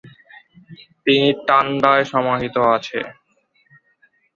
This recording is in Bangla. তিনি তান্ডায় সমাহিত আছেন।